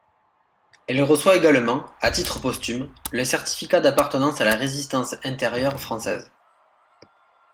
Elle reçoit également, à titre posthume, le certificat d'appartenance à la Résistance Intérieure Française.